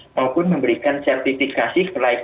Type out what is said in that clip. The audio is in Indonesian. maupun memberikan ujian untuk keberadaan kereta cepat